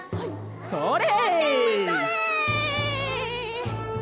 それ！